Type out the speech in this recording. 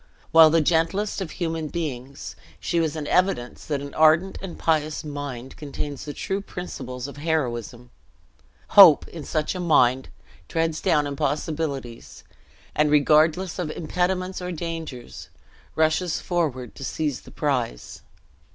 While the gentlest of human beings, she was an evidence that an ardent and pious mind contains the true principles of heroism. Hope, in such a mind, treads down impossibilities; and, regardless of impediments or dangers, rushes forward to seize the prize.